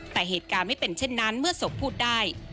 แต่เหตุการณ์ไม่เป็นเช่นนั้นเมื่อศพพูดได้